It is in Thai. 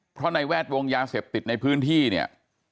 เพราะในแวดวงยาเสพติดในพื้นที่เนี่ย